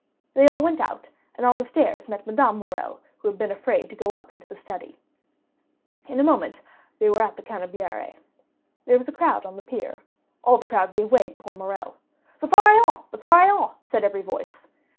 They all went out, and on the stairs met Madame Morrel, who had been afraid to go up into the study. In a moment they were at the Canebière. There was a crowd on the pier. All the crowd gave way before Morrel. "The Pharaon! the Pharaon!" said every voice.